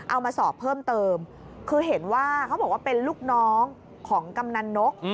เอามาสอบเพิ่มเติมคือเห็นว่าเขาบอกว่าเป็นลูกน้องของกำนันนก